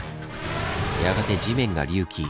やがて地面が隆起。